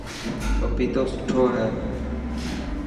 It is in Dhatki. پپيتو سٺو هي.